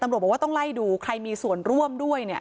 บอกว่าต้องไล่ดูใครมีส่วนร่วมด้วยเนี่ย